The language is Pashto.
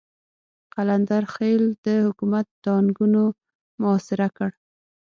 قلندر خېل د حکومت ټانګونو محاصره کړ.